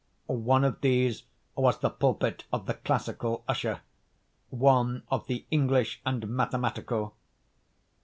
One of these was the pulpit of the "classical" usher, one of the "English and mathematical."